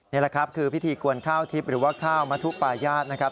นี่แหละครับคือพิธีกวนข้าวทิพย์หรือว่าข้าวมทุปาญาตินะครับ